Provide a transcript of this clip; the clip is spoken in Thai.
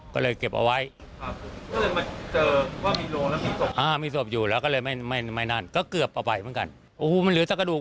ก็เลยเก็บเอาไว้